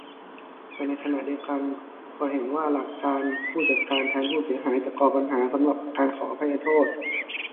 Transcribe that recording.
แต่ขณะเดียวกัน ก็เห็นว่าหลัก "ผู้จัดการแทนผู้เสียหาย" จะก่อปัญหา สำหรับ การขออภัยโทษ